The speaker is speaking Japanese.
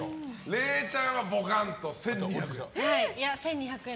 れいちゃんはボカンと１２００円。